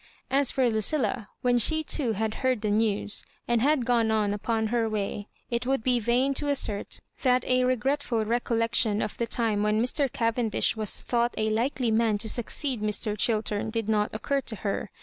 As for Lucilla, when she too had heard the news, and had gone on upon her way,. it would be vain to r assert that a regretful recollection of the time when Mr. Cavendish was thought a likely man to succeed Mr. Chiltern did not occur to her.